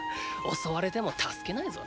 襲われても助けないぞ。